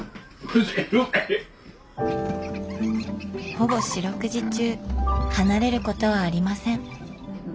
ほぼ四六時中離れることはありません。